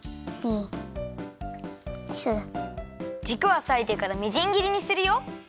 じくはさいてからみじん切りにするよ。